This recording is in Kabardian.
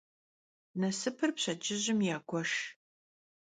Nasıpır pşedcıjım yagueşş.